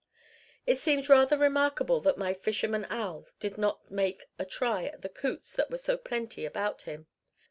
It seems rather remarkable that my fisherman owl did not make a try at the coots that were so plenty about him.